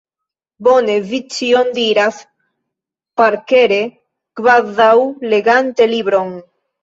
Bone vi ĉion diras parkere, kvazaŭ legante libron!